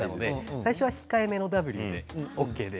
最初は控えめなＷでＯＫです。